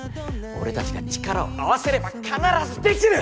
俺たちが力を合わせれば必ずできる！